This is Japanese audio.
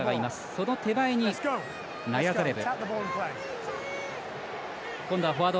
その手前にナヤザレブ。